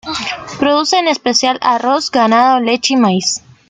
Produce, en especial, arroz, ganado, leche y maíz.